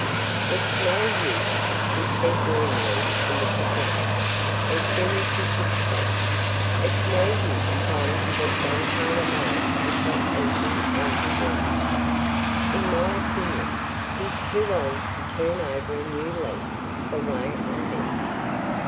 "It's no use," he said gloomily to Mrs. Robin, as soon as he could speak. "It's no use trying to get Grandfather Mole to stop eating angleworms. In my opinion, he's too old to turn over a new leaf the way I meant.